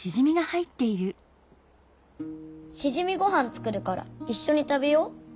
しじみごはん作るからいっしょに食べよう。